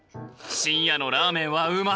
深夜のラーメンはうまい！